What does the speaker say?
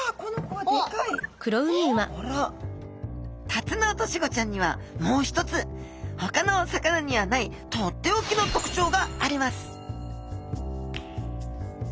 タツノオトシゴちゃんにはもう一つほかのお魚にはないとっておきの特徴があります